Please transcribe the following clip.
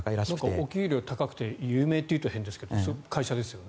お給料高くて有名というと変ですがそういう会社ですよね。